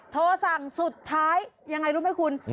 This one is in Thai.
โทรสั่งสุดท้ายยังไงรู้ไหมคุณ